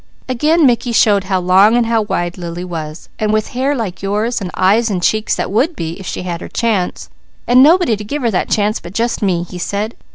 Again Mickey showed how long and how wide Lily was. "And with hair like yours, and eyes and cheeks that would be, if she had her chance, and nobody to give her that chance but just me," he said.